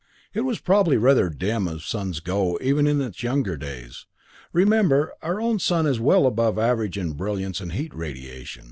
It was probably rather dim as suns go even its younger days. Remember, our own sun is well above average in brilliance and heat radiation.